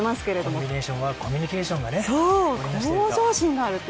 コンビネーションはコミュニケーションが生み出していると。